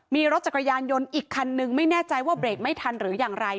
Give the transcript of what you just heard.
มีรถจักรยานยนต์อีกคันนึงไม่แน่ใจว่าเบรกไม่ทันหรืออย่างไร